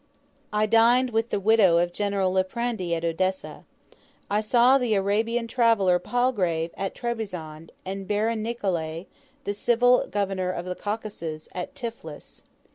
I dined with the widow of General Liprandi at Odessa. I saw the Arabian traveller Palgrave at Trebizond, and Baron Nicolay, the Civil Governor of the Caucasus, at Tiflis.